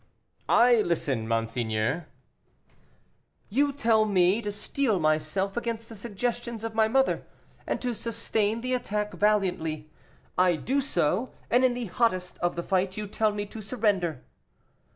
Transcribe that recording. "I listen, monseigneur." "You tell me to steel myself against the suggestions of my mother, and to sustain the attack valiantly. I do so; and in the hottest of the fight you tell me to surrender."